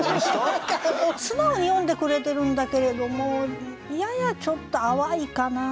素直に詠んでくれてるんだけれどもややちょっと淡いかな。